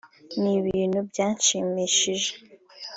Ni bintu byanshimishije